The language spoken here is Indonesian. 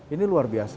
ini luar biasa